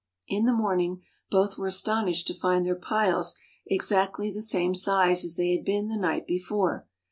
In the morning both were astonished to find their piles exactly the same size as they had been the night before.